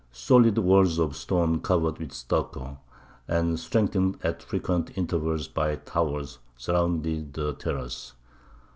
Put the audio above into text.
Solid walls of stone covered with stucco, and strengthened at frequent intervals by towers, surround the terrace.